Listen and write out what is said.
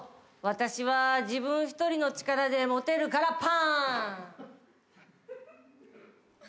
私は自分一人の力で持てるから」